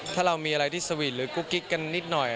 ถ้าเรามีอะไรที่สวีทหรือกุ๊กกิ๊กกันนิดหน่อย